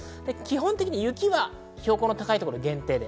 基本的に雪は標高の高い所限定。